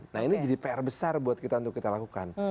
nah ini jadi pr besar untuk kita lakukan